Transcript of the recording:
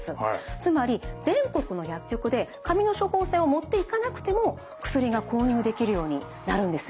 つまり全国の薬局で紙の処方箋を持っていかなくても薬が購入できるようになるんですよ。